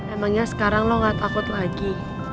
emangnya sekarang lo gak takut lagi